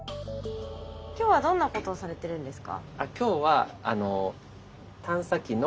今日はどんなことをされてるんですか？